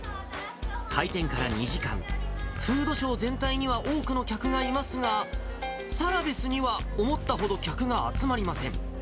開店から２時間、フードショー全体には多くの客がいますが、サラベスには思ったほど客が集まりません。